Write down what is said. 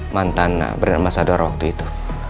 mantan brand ambassador waktu itu